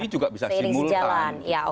ini juga bisa simultan